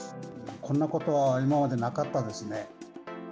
こんなことは今までなかったですね。